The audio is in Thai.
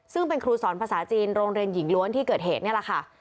ซึ่งเป็นครูสอนภาษาจีนโรงเรียนหญิงล้วนที่เกิดเหตุนี่แหละค่ะ